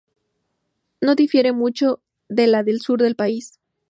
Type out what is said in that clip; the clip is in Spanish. No difiere mucho de la del sur del país.